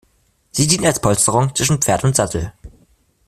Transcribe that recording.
Sie dient als Polsterung zwischen Pferd und Sattel.